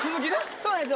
そうなんですよ